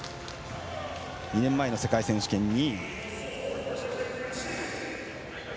２年前の世界選手権２位。